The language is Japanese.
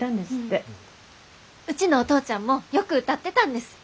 うちのお父ちゃんもよく歌ってたんです。